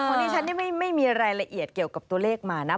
เพราะฉะนั้นไม่มีอะไรละเอียดเกี่ยวกับตัวเลขมานะ